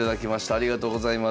ありがとうございます。